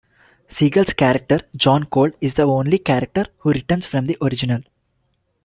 Seagal's character John Cold is the only character who returns from the original.